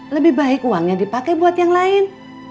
lebih baik uangnya dipakai buat yang lain